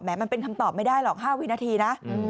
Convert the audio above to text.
มันเป็นคำตอบไม่ได้หรอก๕วินาทีนะ